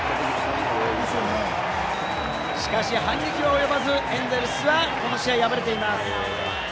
しかし反撃及ばず、エンゼルスはこの試合敗れています。